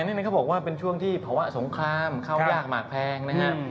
๒๐๒๐นี่คือช่วงที่เภาะสงครามเข้ายากมากแพง